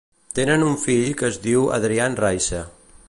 Tenen un fill que es diu Adrian Raice.